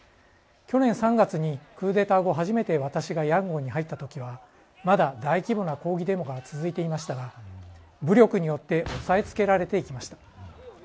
去年３月にクーデター後初めて、私がヤンゴンに入ったときにはまだ大規模な抗議デモが続いていましたが武力によって抑えつけられてきました。